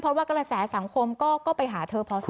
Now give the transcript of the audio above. เพราะว่ากระแสสังคมก็ไปหาเธอพอสม